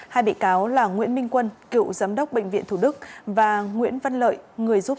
hai bị cáo là nguyễn minh quân cựu giám đốc bệnh viện thủ đức và nguyễn văn lợi